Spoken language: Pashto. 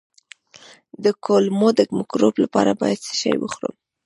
د کولمو د مکروب لپاره باید څه شی وخورم؟